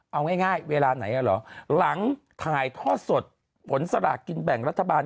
เอาง่ายเวลาไหนเหรอหลังถ่ายทอดสดผลสลากกินแบ่งรัฐบาล